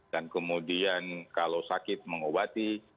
dan kemudian kalau sakit mengobati